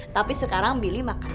tapi sekarang bili makan